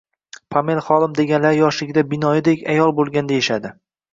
Pomel xola deganlari yoshligida binoyiday ael bo`lgan deyishadi